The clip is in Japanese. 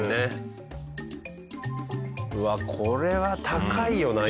うわこれは高いよな